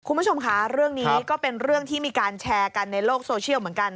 คุณผู้ชมค่ะเรื่องนี้ก็เป็นเรื่องที่มีการแชร์กันในโลกโซเชียลเหมือนกัน